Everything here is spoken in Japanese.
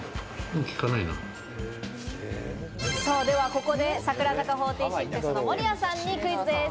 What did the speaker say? ではここで櫻坂４６の守屋さんにクイズです。